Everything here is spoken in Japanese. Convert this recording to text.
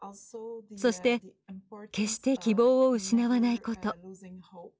そして決して希望を失わないこと。